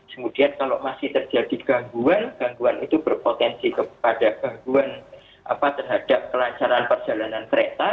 kemudian kalau masih terjadi gangguan gangguan itu berpotensi kepada gangguan terhadap kelancaran perjalanan kereta